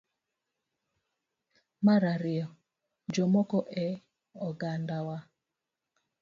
Mar ariyo, jomoko e ogandawa